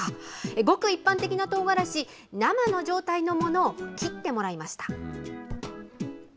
ごく一般的なとうがらし、生の状態のものを切ってもらいました。